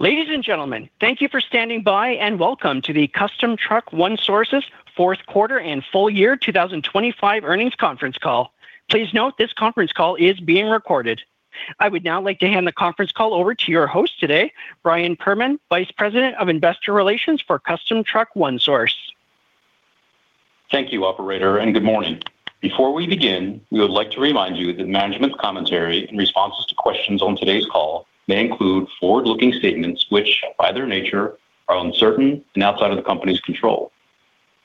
Ladies and gentlemen, thank you for standing by and welcome to the Custom Truck One Source's fourth quarter and full year 2025 earnings conference call. Please note this conference call is being recorded. I would now like to hand the conference call over to your host today, Brian Perman, Vice President of Investor Relations for Custom Truck One Source. Thank you, operator, and good morning. Before we begin, we would like to remind you that management's commentary and responses to questions on today's call may include forward-looking statements which, by their nature, are uncertain and outside of the company's control.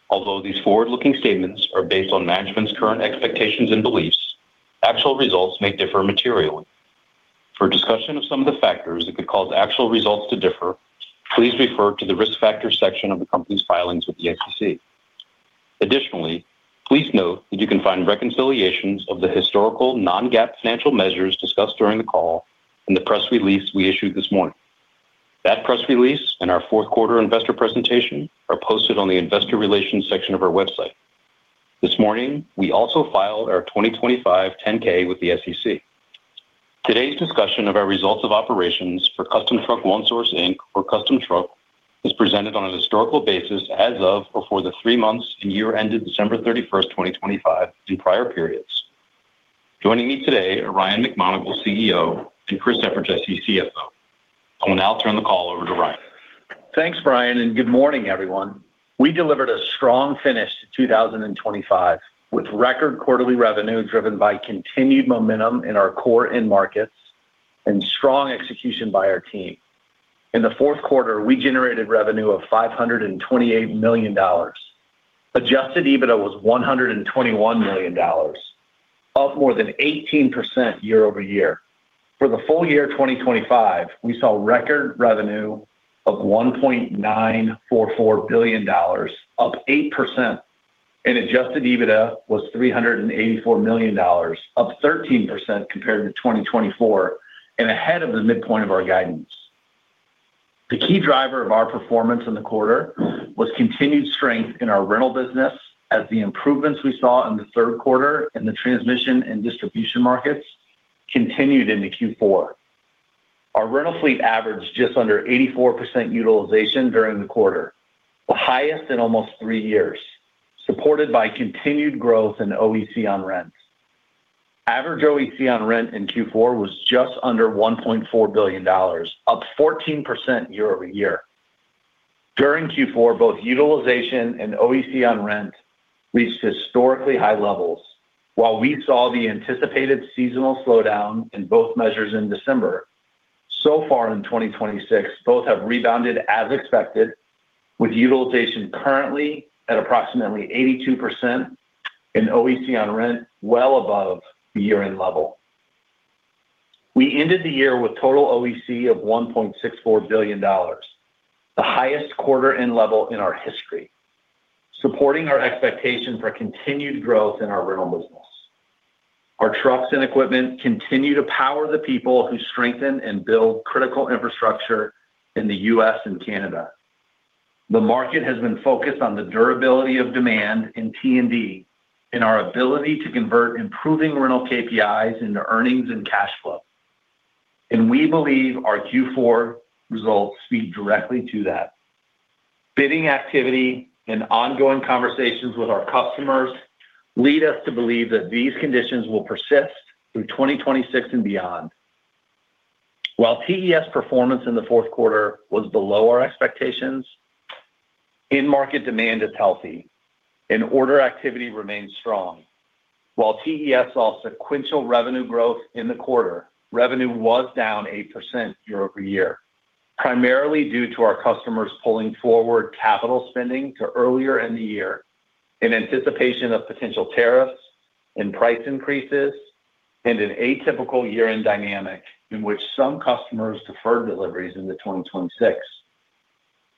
Although these forward-looking statements are based on management's current expectations and beliefs, actual results may differ materially. For a discussion of some of the factors that could cause actual results to differ, please refer to the Risk Factors section of the company's filings with the SEC. Additionally, please note that you can find reconciliations of the historical non-GAAP financial measures discussed during the call in the press release we issued this morning. That press release and our fourth quarter investor presentation are posted on the Investor Relations section of our website. This morning, we also filed our 2025 10-K with the SEC. Today's discussion of our results of operations for Custom Truck One Source, Inc., or Custom Truck, is presented on a historical basis for the three months and year ended December 31, 2025, and prior periods. Joining me today are Ryan McMonagle, CEO, and Chris Eperjesy, CFO. I will now turn the call over to Ryan. Thanks, Brian, and good morning, everyone. We delivered a strong finish to 2025, with record quarterly revenue driven by continued momentum in our core end markets and strong execution by our team. In the fourth quarter, we generated revenue of $528 million. Adjusted EBITDA was $121 million, up more than 18% year over year. For the full year 2025, we saw record revenue of $1.944 billion, up 8%, and Adjusted EBITDA was $384 million, up 13% compared to 2024 and ahead of the midpoint of our guidance. The key driver of our performance in the quarter was continued strength in our rental business as the improvements we saw in the third quarter in the transmission and distribution markets continued into Q4. Our rental fleet averaged just under 84% utilization during the quarter, the highest in almost three years, supported by continued growth in OEC on rent. Average OEC on rent in Q4 was just under $1.4 billion, up 14% year-over-year. During Q4, both utilization and OEC on rent reached historically high levels. While we saw the anticipated seasonal slowdown in both measures in December, so far in 2026, both have rebounded as expected, with utilization currently at approximately 82% and OEC on rent well above the year-end level. We ended the year with total OEC of $1.64 billion, the highest quarter-end level in our history, supporting our expectation for continued growth in our rental business. Our trucks and equipment continue to power the people who strengthen and build critical infrastructure in the U.S. and Canada. The market has been focused on the durability of demand in T&D and our ability to convert improving rental KPIs into earnings and cash flow, and we believe our Q4 results speak directly to that. Bidding activity and ongoing conversations with our customers lead us to believe that these conditions will persist through 2026 and beyond. While TES performance in the fourth quarter was below our expectations, end market demand is healthy and order activity remains strong. While TES saw sequential revenue growth in the quarter, revenue was down 8% year-over-year, primarily due to our customers pulling forward capital spending to earlier in the year in anticipation of potential tariffs and price increases and an atypical year-end dynamic in which some customers deferred deliveries into 2026.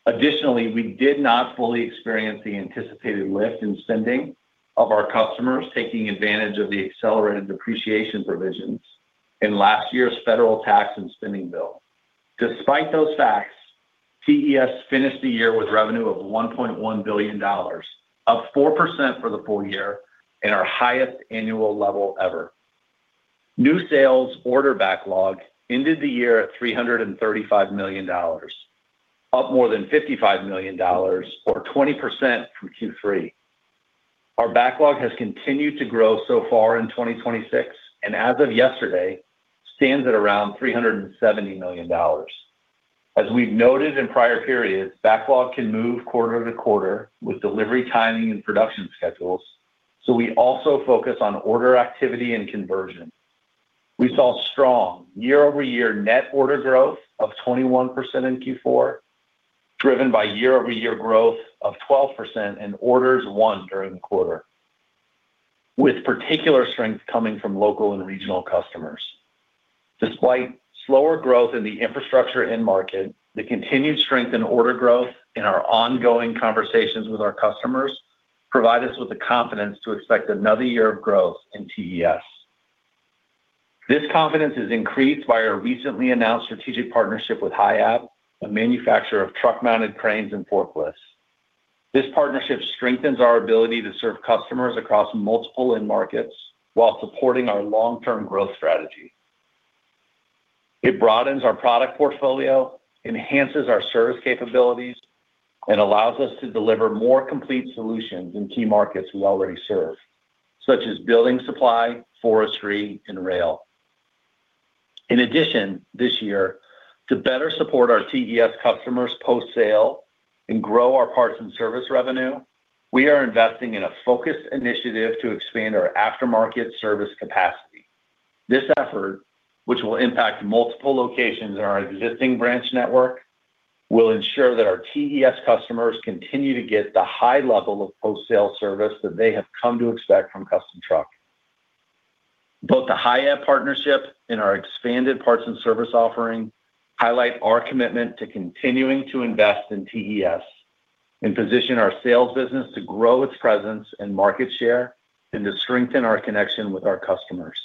Additionally, we did not fully experience the anticipated lift in spending of our customers taking advantage of the accelerated depreciation provisions in last year's federal tax and spending bill. Despite those facts, TES finished the year with revenue of $1.1 billion, up 4% for the full year and our highest annual level ever. New sales order backlog ended the year at $335 million, up more than $55 million or 20% from Q3. Our backlog has continued to grow so far in 2026, and as of yesterday, stands at around $370 million. As we've noted in prior periods, backlog can move quarter to quarter with delivery timing and production schedules, so we also focus on order activity and conversion. We saw strong year-over-year net order growth of 21% in Q4, driven by year-over-year growth of 12% in orders won during the quarter, with particular strength coming from local and regional customers. Despite slower growth in the infrastructure end market, the continued strength in order growth and our ongoing conversations with our customers provide us with the confidence to expect another year of growth in TES. This confidence is increased by our recently announced strategic partnership with Hiab, a manufacturer of truck-mounted cranes and forklifts. This partnership strengthens our ability to serve customers across multiple end markets while supporting our long-term growth strategy. It broadens our product portfolio, enhances our service capabilities, and allows us to deliver more complete solutions in key markets we already serve, such as building supply, forestry, and rail. In addition, this year, to better support our TES customers post-sale and grow our parts and service revenue, we are investing in a focused initiative to expand our aftermarket service capacity. This effort, which will impact multiple locations in our existing branch network, will ensure that our TES customers continue to get the high level of post-sale service that they have come to expect from Custom Truck. Both the Hiab partnership and our expanded parts and service offering highlight our commitment to continuing to invest in TES and position our sales business to grow its presence and market share and to strengthen our connection with our customers.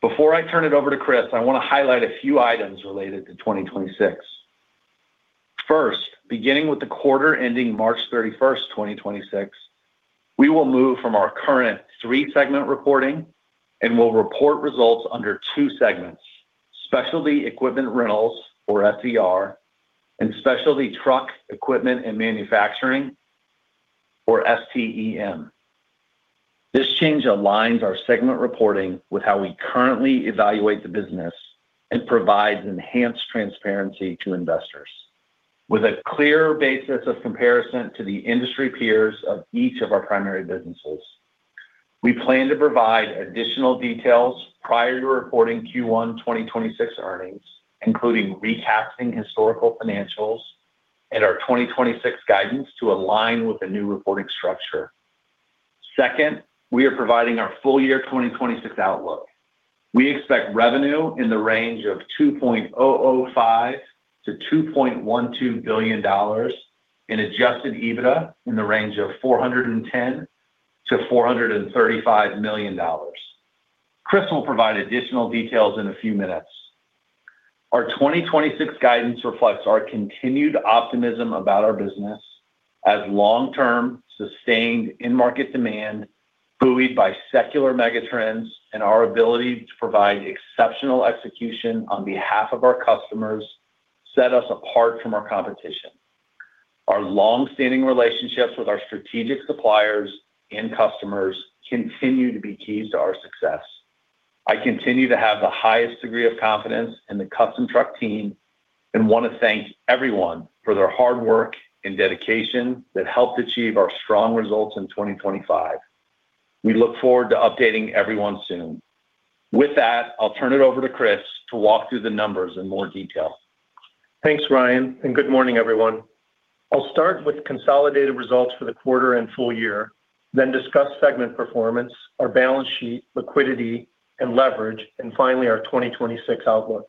Before I turn it over to Chris, I want to highlight a few items related to 2026. First, beginning with the quarter ending March 31, 2026, we will move from our current three-segment reporting and will report results under two segments, Specialty Equipment Rentals, or SER, and Specialty Truck Equipment and Manufacturing, or STEM. This change aligns our segment reporting with how we currently evaluate the business and provides enhanced transparency to investors with a clear basis of comparison to the industry peers of each of our primary businesses. We plan to provide additional details prior to reporting Q1 2026 earnings, including recasting historical financials and our 2026 guidance to align with the new reporting structure. Second, we are providing our full year 2026 outlook. We expect revenue in the range of $2.005-2.12 billion and Adjusted EBITDA in the range of $410-435 million. Chris will provide additional details in a few minutes. Our 2026 guidance reflects our continued optimism about our business as long-term, sustained end market demand, buoyed by secular mega trends and our ability to provide exceptional execution on behalf of our customers set us apart from our competition. Our long-standing relationships with our strategic suppliers and customers continue to be keys to our success. I continue to have the highest degree of confidence in the Custom Truck team and want to thank everyone for their hard work and dedication that helped achieve our strong results in 2025. We look forward to updating everyone soon. With that, I'll turn it over to Chris to walk through the numbers in more detail. Thanks, Ryan, and good morning, everyone. I'll start with consolidated results for the quarter and full year, then discuss segment performance, our balance sheet, liquidity, and leverage, and finally, our 2026 outlook.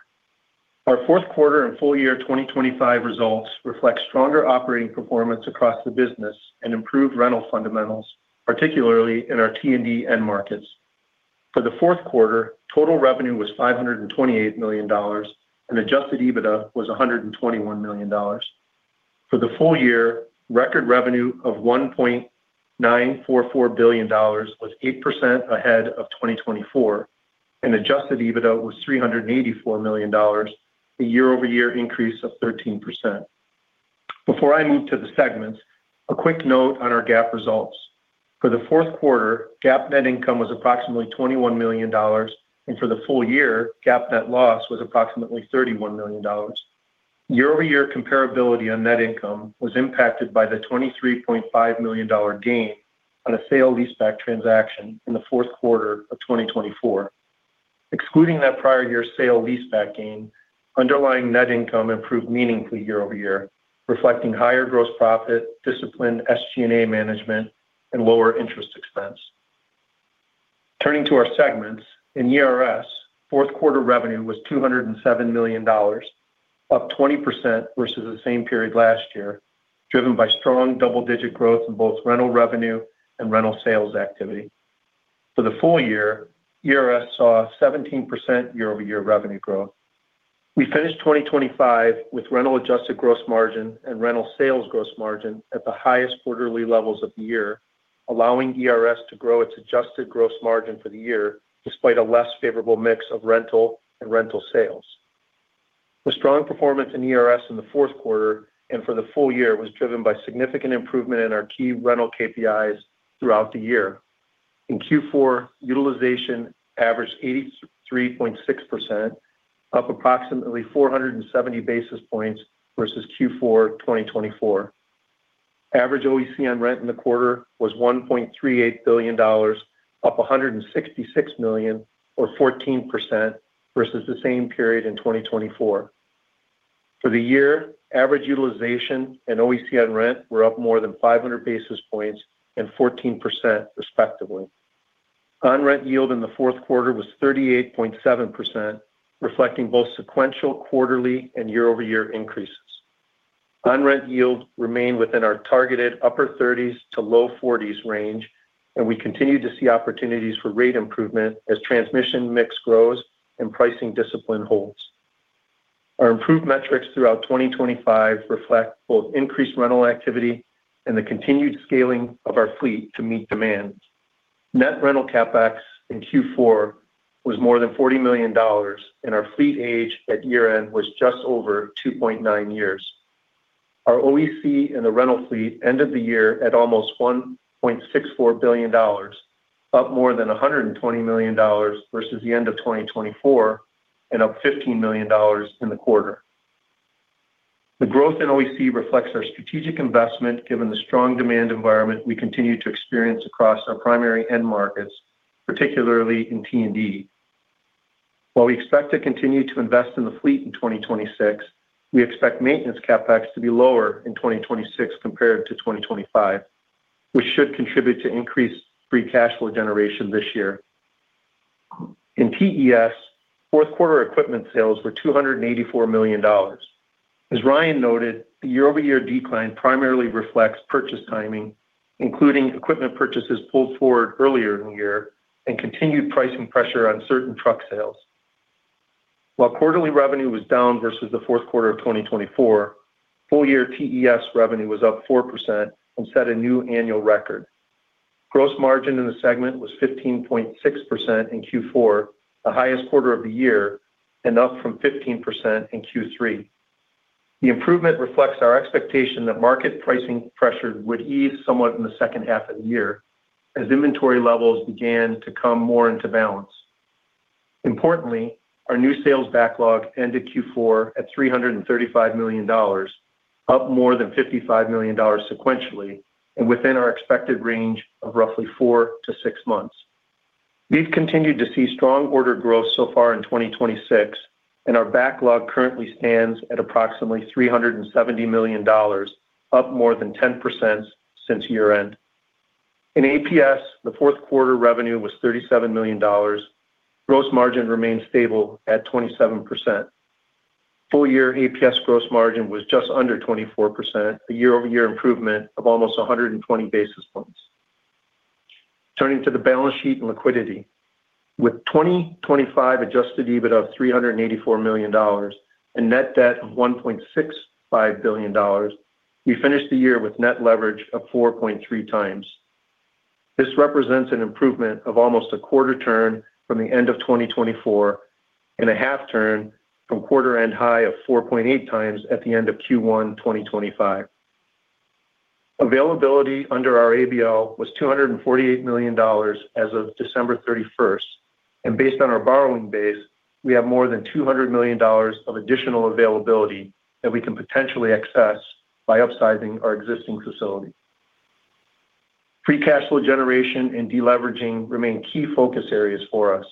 Our fourth quarter and full year 2025 results reflect stronger operating performance across the business and improved rental fundamentals, particularly in our T&D end markets. For the fourth quarter, total revenue was $528 million, and Adjusted EBITDA was $121 million. For the full year, record revenue of $1.944 billion was 8% ahead of 2024, and Adjusted EBITDA was $384 million, a year-over-year increase of 13%. Before I move to the segments, a quick note on our GAAP results. For the fourth quarter, GAAP net income was approximately $21 million, and for the full year, GAAP net loss was approximately $31 million. Year-over-year comparability on net income was impacted by the $23.5 million gain on a sale leaseback transaction in the fourth quarter of 2024. Excluding that prior year sale leaseback gain, underlying net income improved meaningfully year-over-year, reflecting higher gross profit, disciplined SG&A management, and lower interest expense. Turning to our segments, in ERS, fourth quarter revenue was $207 million, up 20% versus the same period last year, driven by strong double-digit growth in both rental revenue and rental sales activity. For the full year, ERS saw 17% year-over-year revenue growth. We finished 2025 with rental adjusted gross margin and rental sales gross margin at the highest quarterly levels of the year, allowing ERS to grow its adjusted gross margin for the year despite a less favorable mix of rental and rental sales. The strong performance in ERS in the fourth quarter and for the full year was driven by significant improvement in our key rental KPIs throughout the year. In Q4, utilization averaged 83.6%, up approximately 470 basis points versus Q4 2024. Average OEC on rent in the quarter was $1.38 billion, up $166 million or 14% versus the same period in 2024. For the year, average utilization and OEC on rent were up more than 500 basis points and 14% respectively. On-Rent Yield in the fourth quarter was 38.7%, reflecting both sequential quarterly and year-over-year increases. On-Rent Yield remained within our targeted upper 30s-low 40s range, and we continue to see opportunities for rate improvement as transmission mix grows and pricing discipline holds. Our improved metrics throughout 2025 reflect both increased rental activity and the continued scaling of our fleet to meet demand. Net rental CapEx in Q4 was more than $40 million, and our fleet age at year-end was just over 2.9 years. Our OEC in the rental fleet ended the year at almost $1.64 billion, up more than $120 million versus the end of 2024 and up $15 million in the quarter. The growth in OEC reflects our strategic investment given the strong demand environment we continue to experience across our primary end markets, particularly in T&D. While we expect to continue to invest in the fleet in 2026, we expect maintenance CapEx to be lower in 2026 compared to 2025, which should contribute to increased free cash flow generation this year. In TES, fourth quarter equipment sales were $284 million. As Ryan noted, the year-over-year decline primarily reflects purchase timing, including equipment purchases pulled forward earlier in the year and continued pricing pressure on certain truck sales. While quarterly revenue was down versus the fourth quarter of 2024, full year TES revenue was up 4% and set a new annual record. Gross margin in the segment was 15.6% in Q4, the highest quarter of the year, and up from 15% in Q3. The improvement reflects our expectation that market pricing pressure would ease somewhat in the second half of the year as inventory levels began to come more into balance. Importantly, our new sales backlog ended Q4 at $335 million, up more than $55 million sequentially and within our expected range of roughly 4-6 months. We've continued to see strong order growth so far in 2026, and our backlog currently stands at approximately $370 million, up more than 10% since year-end. In APS, the fourth quarter revenue was $37 million. Gross margin remained stable at 27%. Full year APS gross margin was just under 24%, a year-over-year improvement of almost 120 basis points. Turning to the balance sheet and liquidity. With 2025 adjusted EBIT of $384 million and net debt of $1.65 billion, we finished the year with net leverage of 4.3 times. This represents an improvement of almost a quarter turn from the end of 2024 and a half turn from quarter end high of 4.8 times at the end of Q1 2025. Availability under our ABL was $248 million as of December 31, and based on our borrowing base, we have more than $200 million of additional availability that we can potentially access by upsizing our existing facility. Free cash flow generation and deleveraging remain key focus areas for us.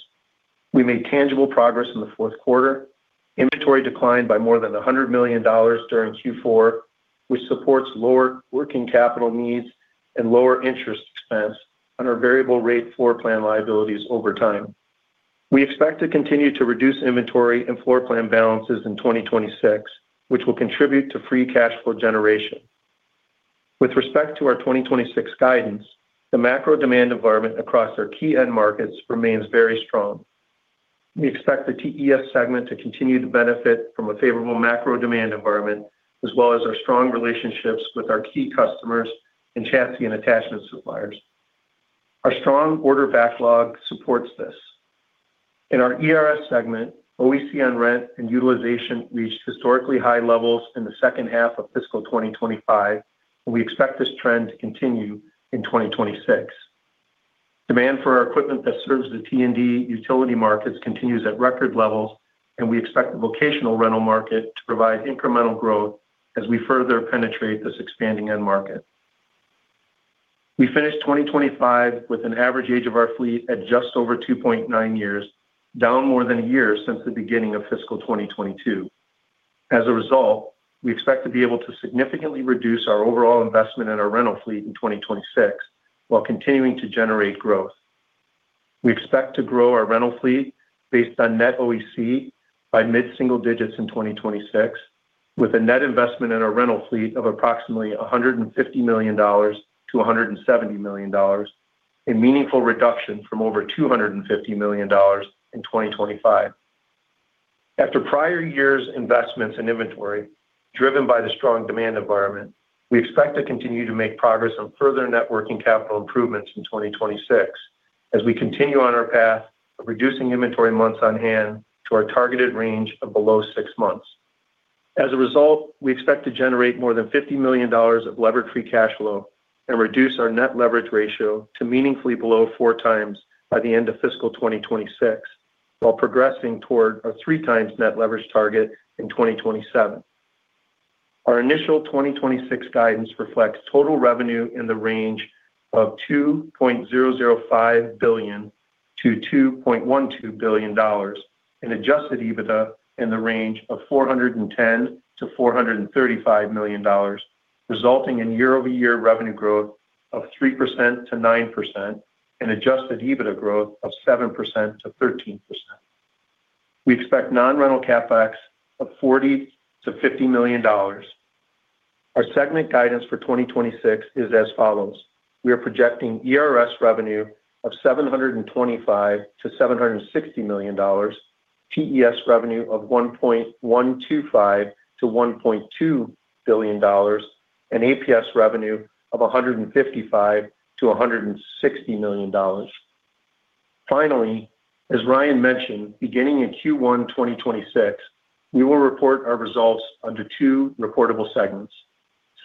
We made tangible progress in the fourth quarter. Inventory declined by more than $100 million during Q4, which supports lower working capital needs and lower interest expense on our variable rate floor plan liabilities over time. We expect to continue to reduce inventory and floor plan balances in 2026, which will contribute to free cash flow generation. With respect to our 2026 guidance, the macro demand environment across our key end markets remains very strong. We expect the TES segment to continue to benefit from a favorable macro demand environment as well as our strong relationships with our key customers and chassis and attachment suppliers. Our strong order backlog supports this. In our ERS segment, OEC on rent and utilization reached historically high levels in the second half of fiscal 2025, and we expect this trend to continue in 2026. Demand for our equipment that serves the T&D utility markets continues at record levels, and we expect the vocational rental market to provide incremental growth as we further penetrate this expanding end market. We finished 2025 with an average age of our fleet at just over 2.9 years, down more than a year since the beginning of fiscal 2022. As a result, we expect to be able to significantly reduce our overall investment in our rental fleet in 2026 while continuing to generate growth. We expect to grow our rental fleet based on net OEC by mid-single digits in 2026, with a net investment in our rental fleet of approximately $150 million-$170 million, a meaningful reduction from over $250 million in 2025. After prior years' investments in inventory driven by the strong demand environment, we expect to continue to make progress on further net working capital improvements in 2026 as we continue on our path of reducing inventory months on hand to our targeted range of below six months. As a result, we expect to generate more than $50 million of levered Free Cash Flow and reduce our net leverage ratio to meaningfully below 4x by the end of fiscal 2026 while progressing toward a 3x net leverage target in 2027. Our initial 2026 guidance reflects total revenue in the range of $2.005-2.12 billion and Adjusted EBITDA in the range of $410-435 million, resulting in year-over-year revenue growth of 3-9% and Adjusted EBITDA growth of 7-13%. We expect non-rental CapEx of $40-50 million. Our segment guidance for 2026 is as follows. We are projecting ERS revenue of $725-760 million, TES revenue of $1.125-1.2 billion, and APS revenue of $155-160 million. Finally, as Ryan mentioned, beginning in Q1 2026, we will report our results under two reportable segments,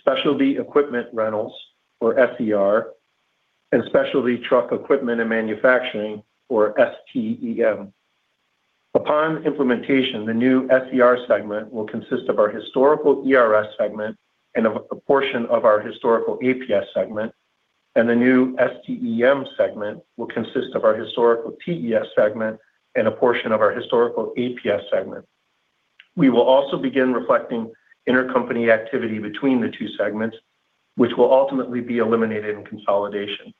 Specialty Equipment Rentals, or SER, and Specialty Truck Equipment and Manufacturing, or STEM. Upon implementation, the new SER segment will consist of our historical ERS segment and a portion of our historical APS segment. The new STEM segment will consist of our historical TES segment and a portion of our historical APS segment. We will also begin reflecting intercompany activity between the two segments, which will ultimately be eliminated in consolidation.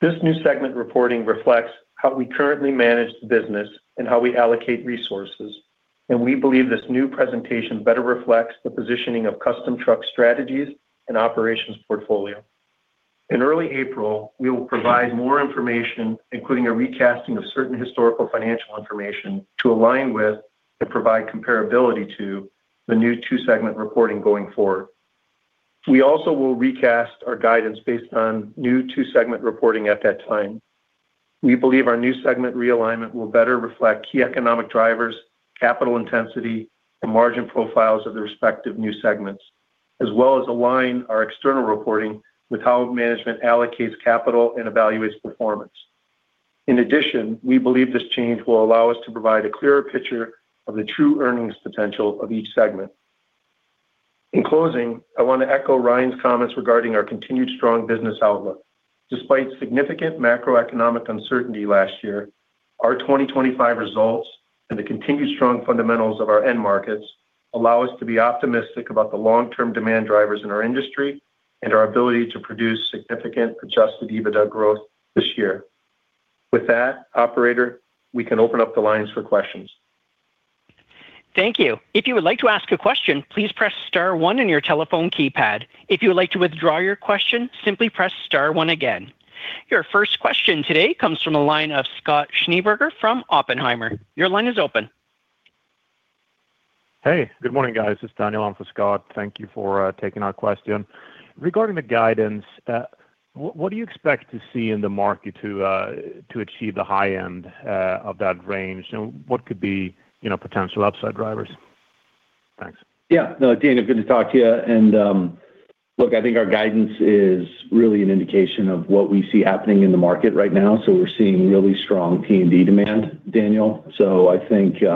This new segment reporting reflects how we currently manage the business and how we allocate resources, and we believe this new presentation better reflects the positioning of Custom Truck strategies and operations portfolio. In early April, we will provide more information, including a recasting of certain historical financial information to align with and provide comparability to the new two-segment reporting going forward. We also will recast our guidance based on new two-segment reporting at that time. We believe our new segment realignment will better reflect key economic drivers, capital intensity, and margin profiles of the respective new segments, as well as align our external reporting with how management allocates capital and evaluates performance. In addition, we believe this change will allow us to provide a clearer picture of the true earnings potential of each segment. In closing, I want to echo Ryan's comments regarding our continued strong business outlook. Despite significant macroeconomic uncertainty last year, our 2025 results and the continued strong fundamentals of our end markets allow us to be optimistic about the long-term demand drivers in our industry and our ability to produce significant Adjusted EBITDA growth this year. With that, operator, we can open up the lines for questions. Thank you. If you would like to ask a question, please press star one on your telephone keypad. If you would like to withdraw your question, simply press star one again. Your first question today comes from the line of Scott Schneeberger from Oppenheimer. Your line is open. Hey, good morning, guys. It's Daniel on for Scott. Thank you for taking our question. Regarding the guidance, what do you expect to see in the market to achieve the high end of that range? What could be, you know, potential upside drivers? Thanks. Yeah. No, Daniel, good to talk to you. Look, I think our guidance is really an indication of what we see happening in the market right now. We're seeing really strong P&D demand, Daniel. I think, you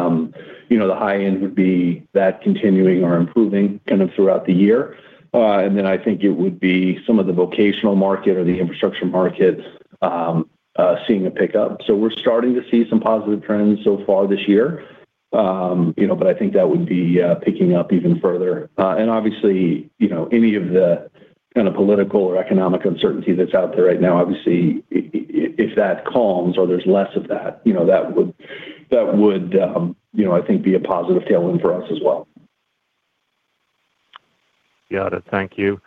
know, the high end would be that continuing or improving kind of throughout the year. I think it would be some of the vocational market or the infrastructure market, seeing a pickup. We're starting to see some positive trends so far this year. You know, I think that would be picking up even further. Obviously, you know, any of the kind of political or economic uncertainty that's out there right now, obviously, if that calms or there's less of that, you know, that would, you know, I think be a positive tailwind for us as well. Got it. Thank you.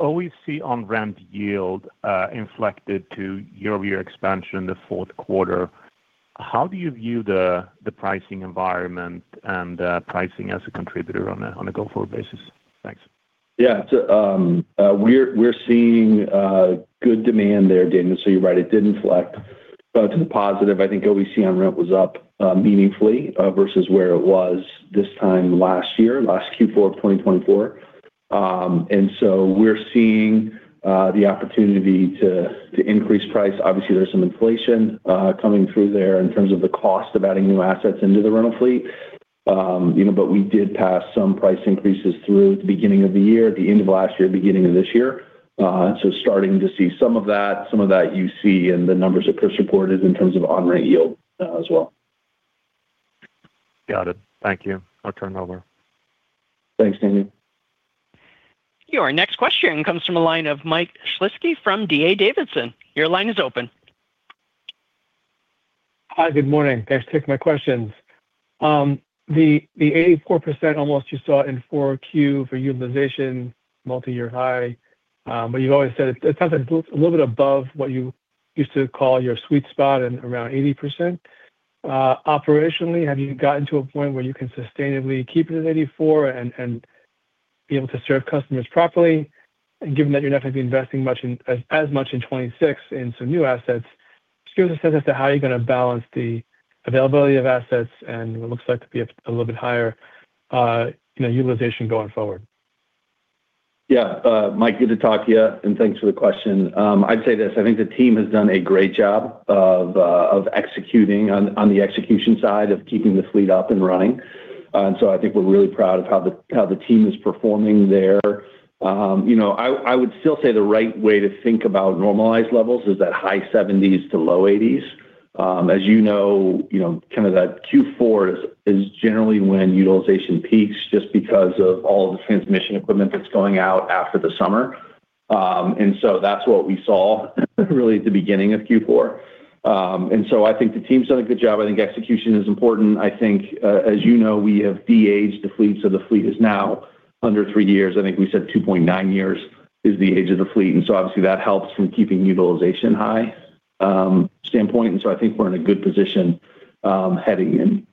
OEC on rent yield inflected to year-over-year expansion in the fourth quarter. How do you view the pricing environment and pricing as a contributor on a go-forward basis? Thanks. Yeah. We're seeing good demand there, Daniel. You're right, it did inflect to the positive. I think OEC on rent was up meaningfully versus where it was this time last year, last Q4 of 2024. We're seeing the opportunity to increase price. Obviously, there's some inflation coming through there in terms of the cost of adding new assets into the rental fleet. You know, we did pass some price increases through at the beginning of the year, at the end of last year, beginning of this year. Starting to see some of that you see in the numbers that Chris reported in terms of on-rent yield as well. Got it. Thank you. I'll turn it over. Thanks, Daniel. Your next question comes from the line of Michael Shlisky from D.A. Davidson & Co. Your line is open. Hi, good morning. Thanks for taking my questions. The eighty-four percent almost you saw in 4Q for utilization, multiyear high, but you've always said it sounds like it's a little bit above what you used to call your sweet spot and around 80%. Operationally, have you gotten to a point where you can sustainably keep it at 84% and be able to serve customers properly? Given that you're not gonna be investing as much in 2026 in some new assets, just give us a sense as to how you're gonna balance the availability of assets and what looks like to be a little bit higher, you know, utilization going forward. Yeah. Mike, good to talk to you, and thanks for the question. I'd say this. I think the team has done a great job of executing on the execution side of keeping the fleet up and running. I think we're really proud of how the team is performing there. You know, I would still say the right way to think about normalized levels is that high 70s-low 80s%. As you know, kind of that Q4 is generally when utilization peaks just because of all the transmission equipment that's going out after the summer. That's what we saw really at the beginning of Q4. I think the team's done a good job. I think execution is important. I think, as you know, we have de-aged the fleet, so the fleet is now under three years. I think we said 2.9 years is the age of the fleet, and so obviously that helps from keeping utilization high, standpoint. I think we're in a good position, heading in.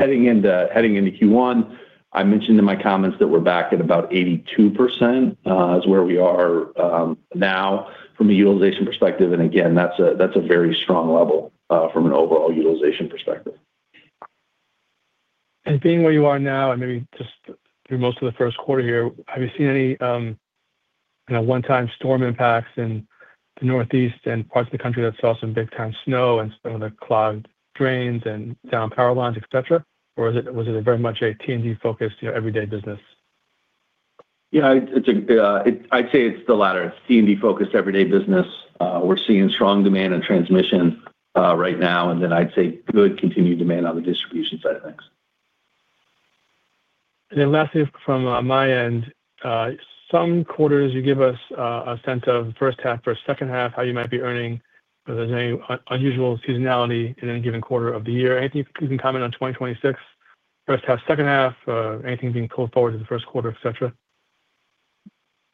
Heading into Q1, I mentioned in my comments that we're back at about 82%, is where we are, now from a utilization perspective. Again, that's a very strong level, from an overall utilization perspective. Being where you are now and maybe just through most of the first quarter here, have you seen any, you know, one-time storm impacts in the Northeast and parts of the country that saw some big time snow and some of the clogged drains and downed power lines, et cetera? Or was it very much a T&D focus to your everyday business? Yeah. It's a. I'd say it's the latter. It's T&D-focused everyday business. We're seeing strong demand in transmission right now, and then I'd say good continued demand on the distribution side of things. Lastly from my end. Some quarters you give us a sense of first half versus second half, how you might be earning, if there's any unusual seasonality in any given quarter of the year. Anything you can comment on 2026, first half, second half, anything being pulled forward to the first quarter, et cetera?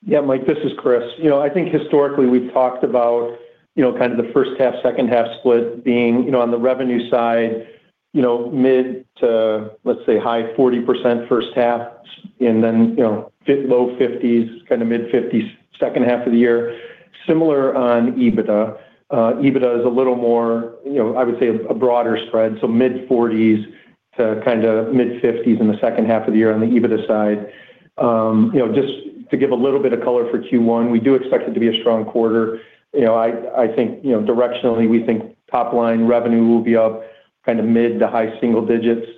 Yeah, Mike, this is Chris. You know, I think historically we've talked about, you know, kind of the first half, second half split being, you know, on the revenue side, you know, mid- to, let's say, high 40% first half and then, you know, mid- to low 50s, kinda mid-50s second half of the year. Similar on EBITDA. EBITDA is a little more, you know, I would say a broader spread, so mid-40s to kinda mid-50s in the second half of the year on the EBITDA side. You know, just to give a little bit of color for Q1, we do expect it to be a strong quarter. You know, I think, you know, directionally, we think top line revenue will be up kind of mid- to high single digits%,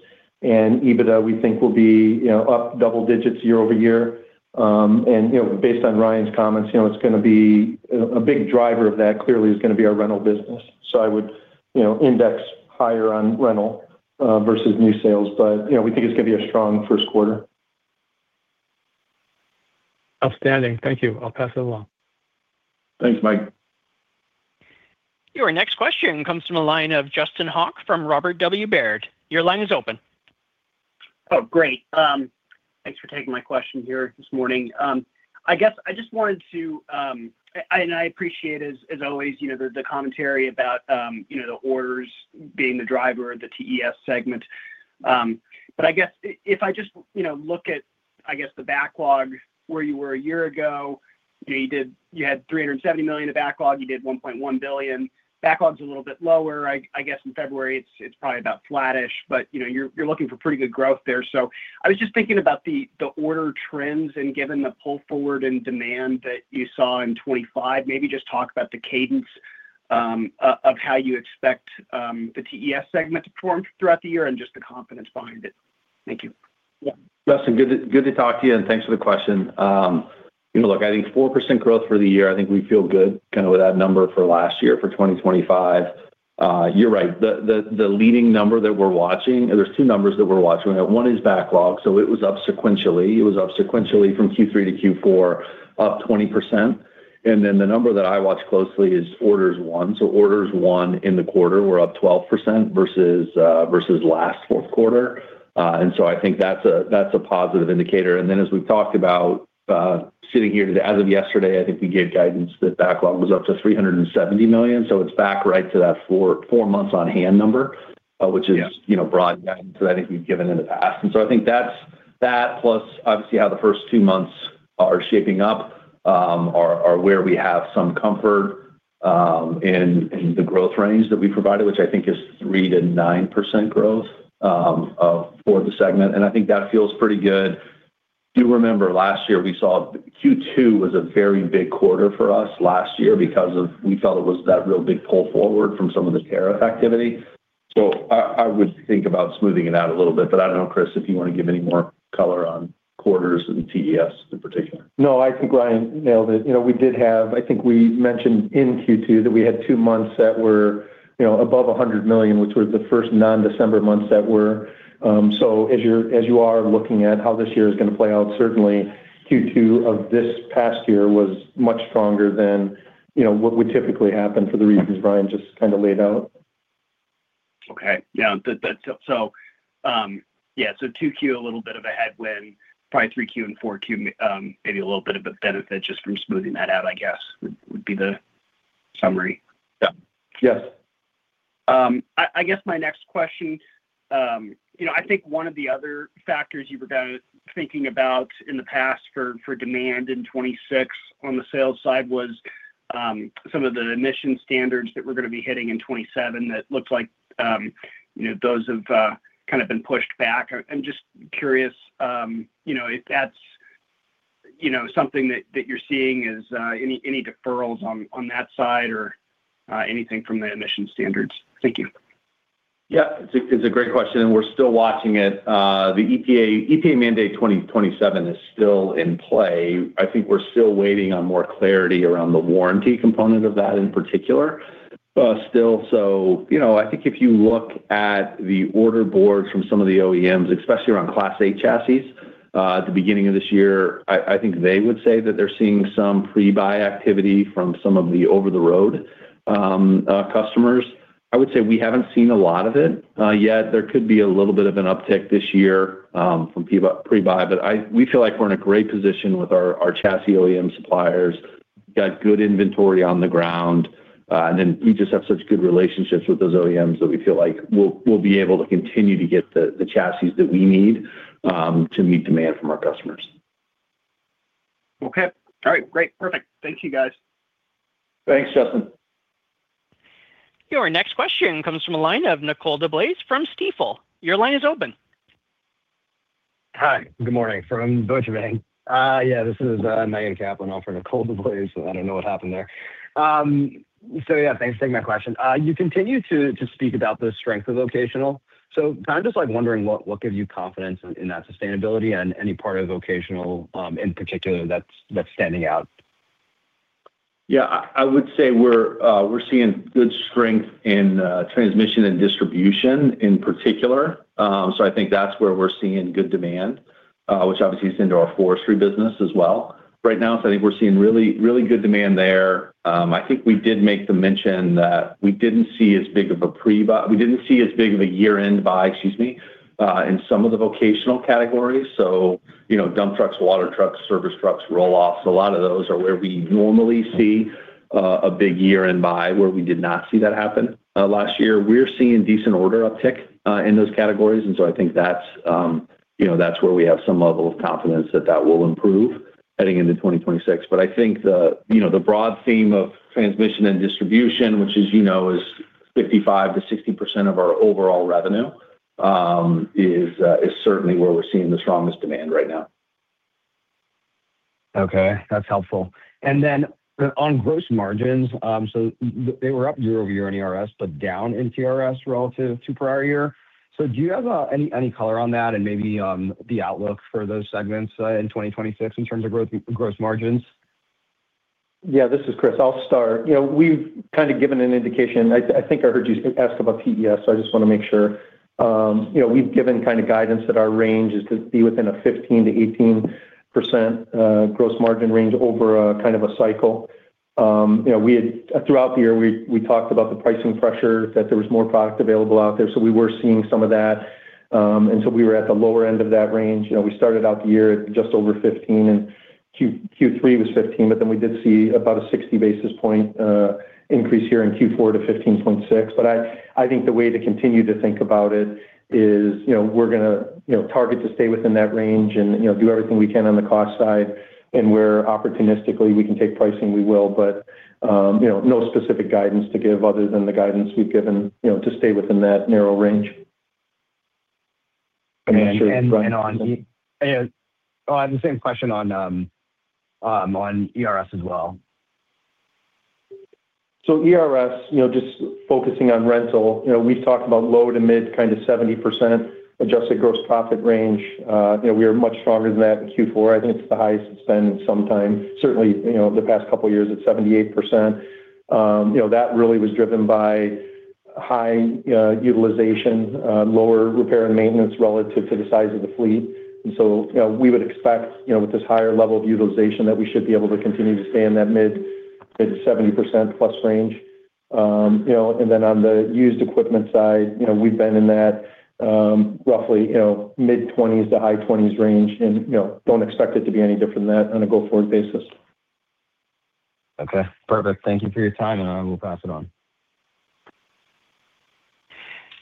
and EBITDA, we think will be, you know, up double digits% year-over-year. You know, based on Ryan's comments, you know, it's gonna be a big driver of that clearly is gonna be our rental business. I would, you know, index higher on rental versus new sales. You know, we think it's gonna be a strong first quarter. Outstanding. Thank you. I'll pass it along. Thanks, Mike. Your next question comes from the line of Justin Hauke from Robert W. Baird & Co. Your line is open. Oh, great. Thanks for taking my question here this morning. I guess I just wanted to, and I appreciate, as always, you know, the commentary about, you know, the orders being the driver of the TES segment. But I guess if I just, you know, look at, I guess, the backlog where you were a year ago, you know, you had $370 million of backlog, you did $1.1 billion. Backlog's a little bit lower. I guess in February it's probably about flattish, but, you know, you're looking for pretty good growth there. I was just thinking about the order trends and given the pull forward and demand that you saw in 2025, maybe just talk about the cadence of how you expect the TES segment to perform throughout the year and just the confidence behind it. Thank you. Yeah. Justin, good to talk to you, and thanks for the question. You know, look, I think 4% growth for the year, I think we feel good kinda with that number for last year for 2025. You're right. The leading number that we're watching. There's two numbers that we're watching. One is backlog. So it was up sequentially. It was up sequentially from Q3 to Q4, up 20%. Then the number that I watch closely is orders won. So orders won in the quarter were up 12% versus last fourth quarter. I think that's a positive indicator. Then as we've talked about, sitting here as of yesterday, I think we gave guidance that backlog was up to $370 million. It's back right to that 4.4 months on hand number, which is. Yeah You know, broad guidance that I think we've given in the past. I think that's that plus obviously how the first two months are shaping up are where we have some comfort in the growth range that we provided, which I think is 3-9% growth for the segment. I think that feels pretty good. Do remember last year we saw Q2 was a very big quarter for us last year because we felt it was that real big pull forward from some of the tariff activity. I would think about smoothing it out a little bit. I don't know, Chris, if you wanna give any more color on quarters and TES in particular. No, I think Ryan nailed it. You know, we did have, I think we mentioned in Q2 that we had two months that were, you know, above $100 million, which were the first non-December months that were. As you're looking at how this year is gonna play out, certainly Q2 of this past year was much stronger than, you know, what would typically happen for the reasons Ryan just kinda laid out. Okay. Yeah, 2Q a little bit of a headwind, probably 3Q and 4Q, maybe a little bit of a benefit just from smoothing that out, I guess, would be the summary. Yeah. Yes. I guess my next question, you know, I think one of the other factors you were kinda thinking about in the past for demand in 2026 on the sales side was some of the emission standards that we're gonna be hitting in 2027 that looks like, you know, those have kinda been pushed back. I'm just curious, you know, if that's you know something that you're seeing is any deferrals on that side or anything from the emission standards. Thank you. Yeah. It's a great question, and we're still watching it. The EPA mandate 2027 is still in play. I think we're still waiting on more clarity around the warranty component of that in particular. You know, I think if you look at the order boards from some of the OEMs, especially around Class 8 chassis at the beginning of this year, I think they would say that they're seeing some pre-buy activity from some of the over-the-road customers. I would say we haven't seen a lot of it yet. There could be a little bit of an uptick this year from pre-buy. We feel like we're in a great position with our chassis OEM suppliers. Got good inventory on the ground. We just have such good relationships with those OEMs that we feel like we'll be able to continue to get the chassis that we need to meet demand from our customers. Okay. All right. Great. Perfect. Thank you, guys. Thanks, Justin. Your next question comes from a line of Nicole DeBlase from Stifel. Your line is open. Hi, good morning from Deutsche Bank. Nathan Kaplan for Nicole DeBlase. I don't know what happened there. Thanks for taking my question. You continue to speak about the strength of vocational. Kind of just like wondering what gives you confidence in that sustainability and any part of vocational in particular that's standing out? Yeah. I would say we're seeing good strength in transmission and distribution in particular. I think that's where we're seeing good demand, which obviously is into our forestry business as well right now. I think we're seeing really good demand there. I think we did make the mention that we didn't see as big of a year-end buy, excuse me, in some of the vocational categories. You know, dump trucks, water trucks, service trucks, roll-offs, a lot of those are where we normally see a big year-end buy where we did not see that happen last year. We're seeing decent order uptick in those categories. I think that's, you know, that's where we have some level of confidence that that will improve heading into 2026. I think the, you know, the broad theme of transmission and distribution, which as you know is 55%-60% of our overall revenue, is certainly where we're seeing the strongest demand right now. Okay, that's helpful. On gross margins, so they were up year-over-year in ERS, but down in TES relative to prior year. Do you have any color on that and maybe the outlook for those segments in 2026 in terms of growth, gross margins? This is Chris. I'll start. You know, we've kind of given an indication. I think I heard you ask about PBS, so I just wanna make sure. You know, we've given kind of guidance that our range is to be within a 15%-18% gross margin range over a kind of a cycle. You know, we had throughout the year, we talked about the pricing pressure, that there was more product available out there, so we were seeing some of that. We were at the lower end of that range. You know, we started out the year at just over 15%, and Q3 was 15%. We did see about a 60 basis point increase here in Q4 to 15.6%. I think the way to continue to think about it is, you know, we're gonna, you know, target to stay within that range and, you know, do everything we can on the cost side. Where opportunistically we can take pricing, we will. You know, no specific guidance to give other than the guidance we've given, you know, to stay within that narrow range. On the same question on ERS as well. ERS, you know, just focusing on rental. You know, we've talked about low to mid, kind of 70% adjusted gross profit range. You know, we are much stronger than that in Q4. I think it's the highest it's been in some time. Certainly, you know, the past couple of years at 78%. You know, that really was driven by high utilization, lower repair and maintenance relative to the size of the fleet. You know, we would expect, you know, with this higher level of utilization that we should be able to continue to stay in that mid-70%+ range. You know, on the used equipment side, you know, we've been in that roughly mid-20s to high 20s% range and, you know, don't expect it to be any different than that on a go-forward basis. Okay, perfect. Thank you for your time, and I will pass it on.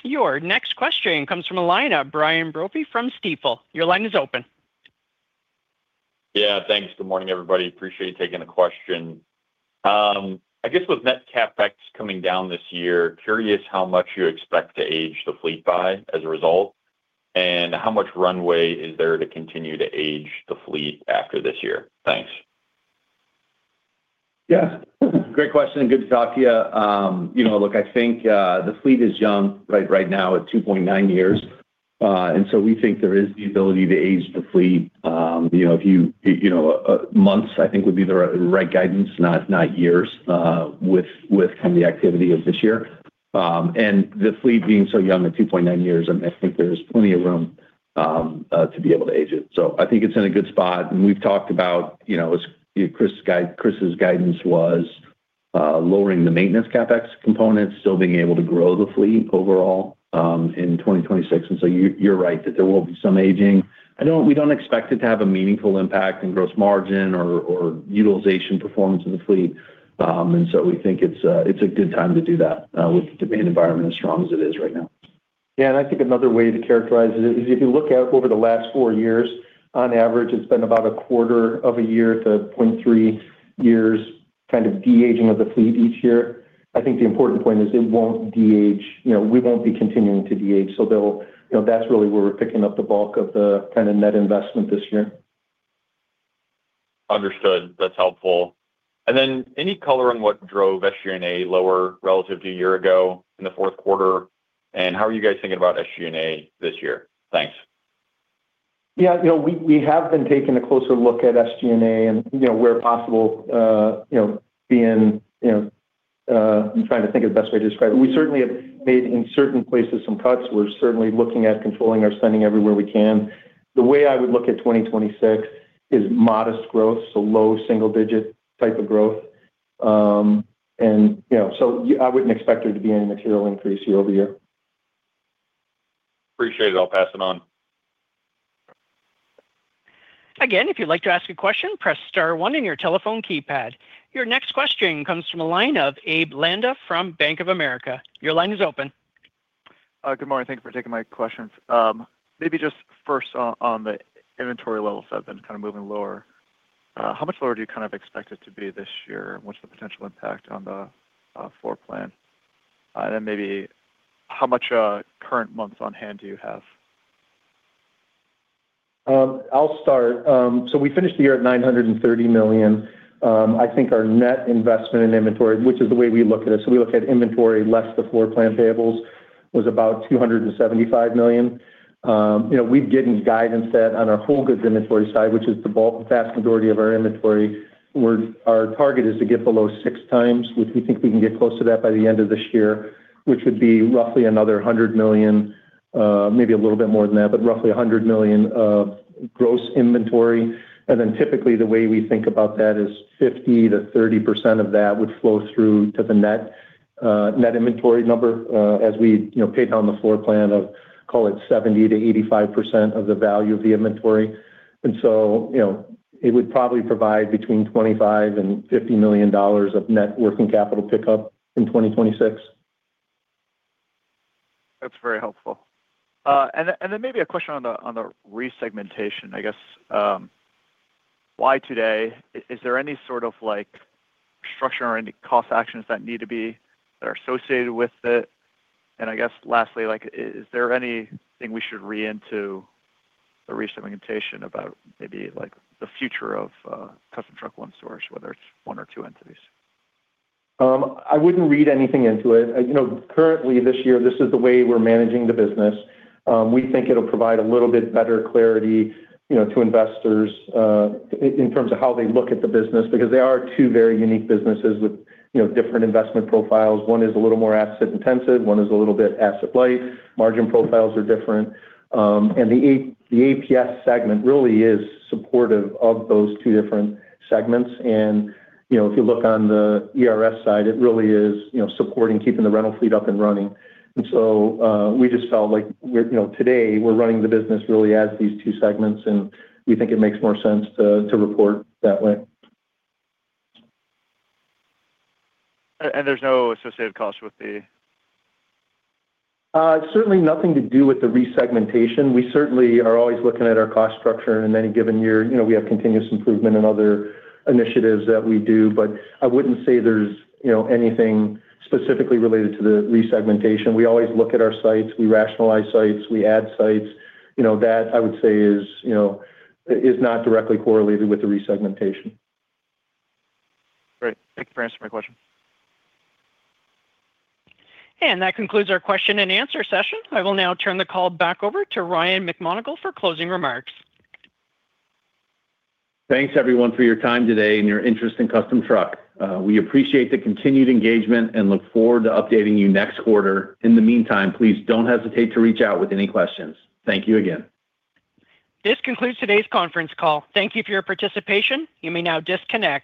Your next question comes from a line of Brian Brophy from Stifel. Your line is open. Yeah, thanks. Good morning, everybody. Appreciate you taking the question. I guess with net CapEx coming down this year, curious how much you expect to age the fleet by as a result, and how much runway is there to continue to age the fleet after this year? Thanks. Yeah. Great question, and good to talk to you. You know, look, I think the fleet is young, right now at 2.9 years. We think there is the ability to age the fleet. You know, if you know, months, I think would be the right guidance, not years, with the activity of this year. The fleet being so young at 2.9 years, I think there's plenty of room to be able to age it. I think it's in a good spot. We've talked about, you know, as Chris's guidance was, lowering the maintenance CapEx component, still being able to grow the fleet overall, in 2026. You, you're right that there will be some aging. We don't expect it to have a meaningful impact in gross margin or utilization performance in the fleet. We think it's a good time to do that with the demand environment as strong as it is right now. Yeah. I think another way to characterize it is if you look out over the last four years, on average, it's been about a quarter of a year to 0.3 years kind of de-aging of the fleet each year. I think the important point is it won't de-age. You know, we won't be continuing to de-age. They'll, you know, that's really where we're picking up the bulk of the kind of net investment this year. Understood. That's helpful. Any color on what drove SG&A lower relative to a year ago in the fourth quarter, and how are you guys thinking about SG&A this year? Thanks. Yeah, you know, we have been taking a closer look at SG&A and, you know, where possible, you know, being, you know, I'm trying to think of the best way to describe it. We certainly have made in certain places some cuts. We're certainly looking at controlling our spending everywhere we can. The way I would look at 2026 is modest growth, so low single-digit type of growth. You know, so I wouldn't expect there to be any material increase year-over-year. Appreciate it. I'll pass it on. Again, if you'd like to ask a question, press star one in your telephone keypad. Your next question comes from the line of Abe Landa from Bank of America. Your line is open. Good morning. Thank you for taking my questions. Maybe just first on the inventory levels have been kind of moving lower. How much lower do you kind of expect it to be this year? What's the potential impact on the floor plan? And then maybe how much current months on hand do you have? I'll start. We finished the year at $930 million. I think our net investment in inventory, which is the way we look at it, so we look at inventory less the floor plan payables, was about $275 million. You know, we've given guidance that on our whole goods inventory side, which is the bulk, vast majority of our inventory, our target is to get below 6x, which we think we can get close to that by the end of this year, which would be roughly another $100 million, maybe a little bit more than that, but roughly $100 million of gross inventory. Typically the way we think about that is 50-30% of that would flow through to the net inventory number as we, you know, pay down the floor plan of call it 70-85% of the value of the inventory. You know, it would probably provide between $25 million and $50 million of net working capital pickup in 2026. That's very helpful. Then maybe a question on the resegmentation. I guess why today? Is there any sort of like structure or any cost actions that are associated with it? I guess lastly, like is there anything we should read into the resegmentation about maybe like the future of Custom Truck One Source, whether it's one or two entities? I wouldn't read anything into it. You know, currently this year, this is the way we're managing the business. We think it'll provide a little bit better clarity, you know, to investors, in terms of how they look at the business because they are two very unique businesses with, you know, different investment profiles. One is a little more asset-intensive, one is a little bit asset-light. Margin profiles are different. The APS segment really is supportive of those two different segments. You know, if you look on the ERS side, it really is, you know, supporting keeping the rental fleet up and running. We just felt like we're, you know, today we're running the business really as these two segments, and we think it makes more sense to report that way. there's no associated costs with the. Certainly nothing to do with the resegmentation. We certainly are always looking at our cost structure in any given year. You know, we have continuous improvement in other initiatives that we do. I wouldn't say there's, you know, anything specifically related to the resegmentation. We always look at our sites. We rationalize sites. We add sites. You know, that I would say is, you know, is not directly correlated with the resegmentation. Great. Thank you for answering my question. That concludes our question and answer session. I will now turn the call back over to Ryan McMonagle for closing remarks. Thanks everyone for your time today and your interest in Custom Truck. We appreciate the continued engagement and look forward to updating you next quarter. In the meantime, please don't hesitate to reach out with any questions. Thank you again. This concludes today's conference call. Thank you for your participation. You may now disconnect.